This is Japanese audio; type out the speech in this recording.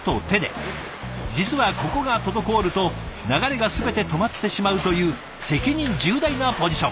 実はここが滞ると流れが全て止まってしまうという責任重大なポジション。